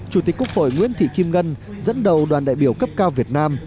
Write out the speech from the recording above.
chủ tịch quốc hội nguyễn thị kim ngân dẫn đầu đoàn đại biểu cấp cao việt nam